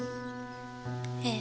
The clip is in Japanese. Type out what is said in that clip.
ええ。